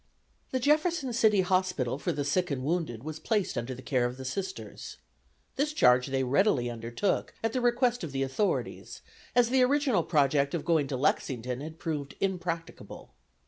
The Jefferson City Hospital for the sick and wounded was placed under the care of the Sisters. This charge they readily undertook at the request of the authorities, as their original project of going to Lexington had proved impracticable.